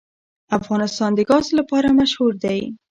افغانستان د ګاز لپاره مشهور دی.